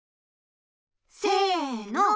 せの！